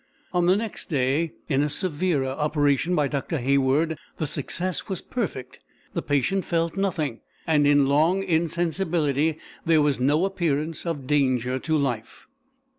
On the next day, in a severer operation by Dr. Hayward, the success was perfect; the patient felt nothing, and in long insensibility there was no appearance of danger to life.